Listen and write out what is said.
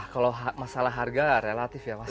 kalau masalah harga relatif ya mas